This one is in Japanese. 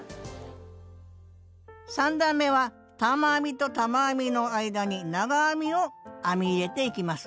３段めは玉編みと玉編みの間に長編みを編み入れていきます。